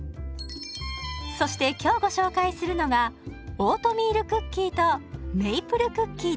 そして今日ご紹介するのがオートミールクッキーとメイプルクッキーです。